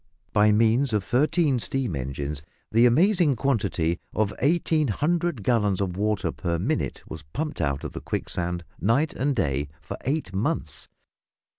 By means of thirteen steam engines, the amazing quantity of 1800 gallons of water per minute was pumped out of the quicksand night and day for eight months.